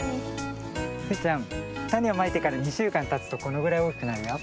スイちゃんたねをまいてから２しゅうかんたつとこのぐらいおおきくなるよ。